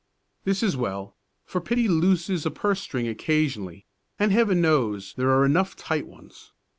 This is well, for pity looses a purse string occasionally, and Heaven knows there are enough tight ones!